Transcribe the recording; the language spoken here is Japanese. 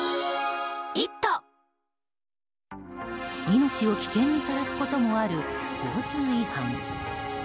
命を危険にさらすこともある交通違反。